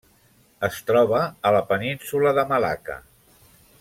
Es troba a la Península de Malacca.